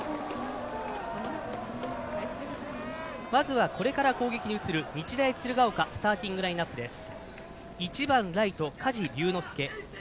まずは、これから攻撃に移る日大鶴ヶ丘スターティングラインアップです。